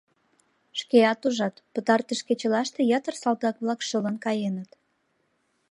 Шкеат ужат, пытартыш кечылаште ятыр салтак-влак шылын каеныт.